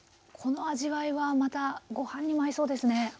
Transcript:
この味わいはまたご飯にも合いそうですね！